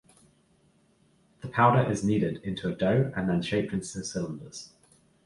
The powder is kneaded into a dough and then shaped into cylinders.